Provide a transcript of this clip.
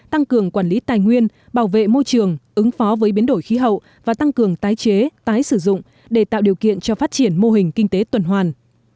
tăng cường quản lý tài nguyên bảo vệ môi trường ứng phó với biến đổi khí hậu và tăng cường tái chế tái sử dụng để tạo điều kiện cho phát triển mô hình kinh tế tuần hoàn